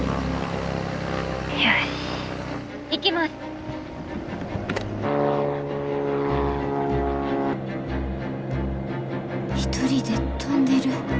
心の声一人で飛んでる。